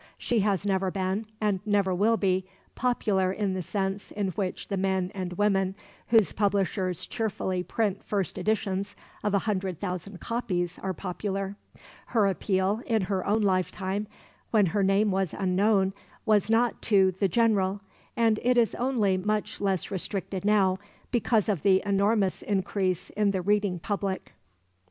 She has never been, and never will be, popular in the sense in which the men and women whose publishers cheerfully print first editions of a hundred thousand copies are popular. Her appeal, in her own lifetime, when her name was unknown, was not to "the general," and it is only much less restricted now because of the enormous increase in the reading public.